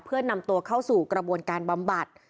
เพื่อนำตัวเข้าสู่กระบวนการบำบัด